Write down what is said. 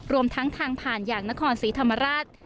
รวมทั้งทางผ่านอย่างนครศรีธรรมราช